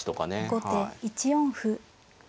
後手１四歩。